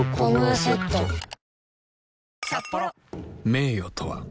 名誉とは